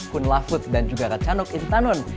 khun lafuth dan juga ratchanok intanon